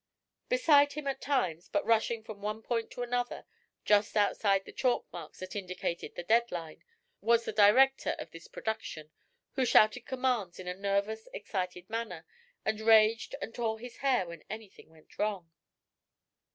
Beside him at times, but rushing from one point to another just outside the chalk marks that indicated the "dead line," was the director of this production, who shouted commands in a nervous, excited manner and raged and tore his hair when anything went wrong.